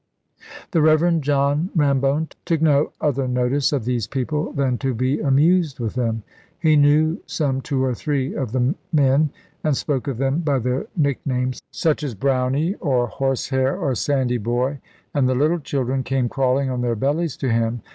The Reverend John Rambone took no other notice of these people than to be amused with them. He knew some two or three of the men, and spoke of them by their nicknames, such as "Browny," or "Horse hair," or "Sandy boy;" and the little children came crawling on their bellies to him.